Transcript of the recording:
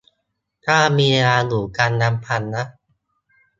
ถ้ามีเวลาอยู่กันลำพังนะ